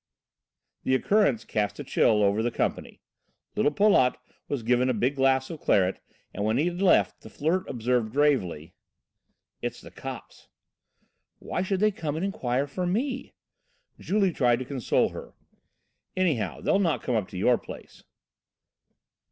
The occurrence cast a chill over the company. Little Paulot was given a big glass of claret, and when he had left the Flirt observed gravely: "It's the cops." "Why should they come and inquire for me?" Julie tried to console her. "Anyhow they'll not come up to your place."